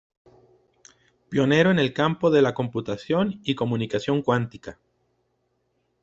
Pionero en el campo de la computación y comunicación cuántica.